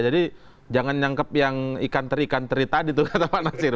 jadi jangan nyangkep yang ikan teri ikan teri tadi tuh kata pak nasir